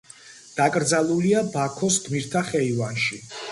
დაკრძალულია ბაქოს გმირთა ხეივანში.